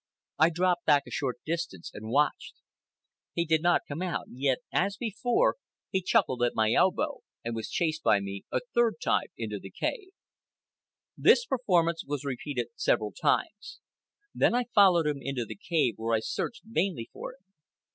I dropped back a short distance and watched. He did not come out, yet, as before, he chuckled at my elbow and was chased by me a third time into the cave. This performance was repeated several times. Then I followed him into the cave, where I searched vainly for him.